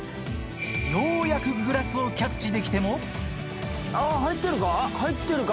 ようやくグラスをキャッチであー、入ってるか？